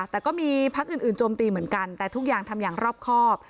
แต่ก็มีพักอื่นโจมตีเหมือนกันแต่ทุกอย่างทำอย่างรอบครอบ